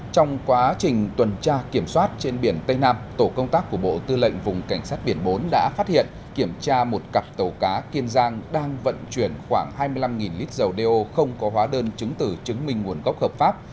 trong quá trình tuần tra kiểm soát trên biển tây nam tổ công tác của bộ tư lệnh vùng cảnh sát biển bốn đã phát hiện kiểm tra một cặp tàu cá kiên giang đang vận chuyển khoảng hai mươi năm lít dầu đeo không có hóa đơn chứng tử chứng minh nguồn gốc hợp pháp